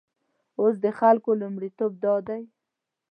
اوس د خلکو لومړیتوب دادی.